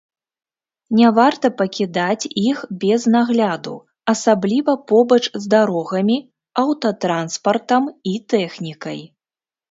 Не варта пакідаць іх без нагляду, асабліва побач з дарогамі, аўтатранспартам і тэхнікай.